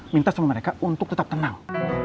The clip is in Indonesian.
minta sama mereka untuk tetap tenang